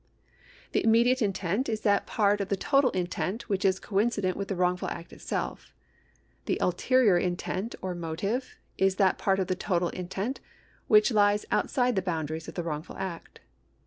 The immediate intent is that part of the total intent which is coincident with the wrongful act itself ; the ulterior intent or motive is that part of the total intent which lies outside the boundaries of the wrongful act.